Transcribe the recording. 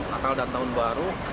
natal dan tahun baru